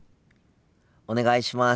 お願いします！